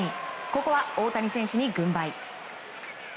ここは大谷選手に軍配。